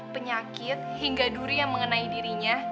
penyakit hingga duri yang mengenai dirinya